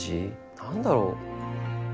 何だろう？